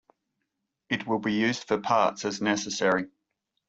It will be used for parts as necessary.